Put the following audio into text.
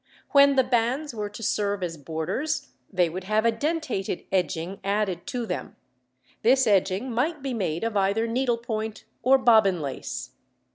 When the bands were to serve as borders they would have a dentated edging added to them; this edging might be made of either needlepoint or bobbin lace.